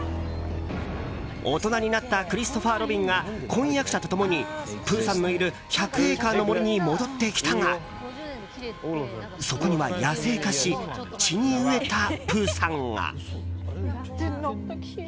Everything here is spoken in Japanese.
大人になったクリストファー・ロビンが婚約者と共にプーさんのいる１００エーカーの森に戻ってきたがそこには、野生化し血に飢えたプーさんが。